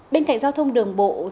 bên cạnh giao thông đường bộ